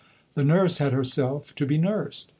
The nurse had herself to be nursed.